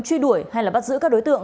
truy đuổi hay là bắt giữ các đối tượng